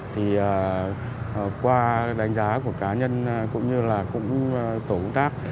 thì qua đánh giá của cá nhân cũng như là tổ quốc tác